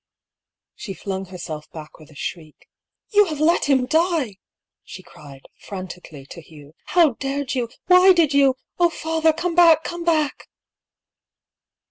She flung herself back with a shriek. " You have let him die I " she cried, frantically, to Hugh. " How dared you ? Why did you ? Oh father I come back, come back